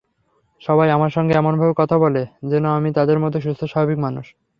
সবাই আমার সঙ্গে এমনভাবে কথা বলে, যেন আমি তাদের মতোই সুস্থ-স্বাভাবিক মানুষ।